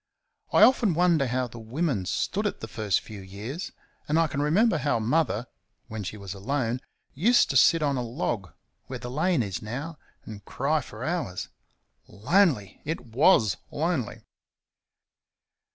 I often wonder how the women stood it the first few years; and I can remember how Mother, when she was alone, used to sit on a log, where the lane is now, and cry for hours. Lonely! It WAS lonely.